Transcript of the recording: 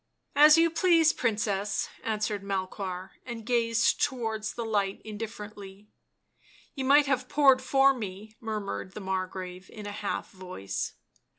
" As you please, Princess," answered Melchoir, and gazed towards the light indifferently. " Ye might have poured for me," murmured the Margrave in a half voice.